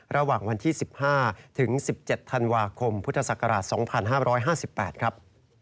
ระหว่างวันที่๑๕ถึง๑๗ธันวาคมพุทธศักราช๒๕๕๘ครับ